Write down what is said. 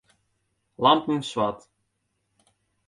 Lampen swart.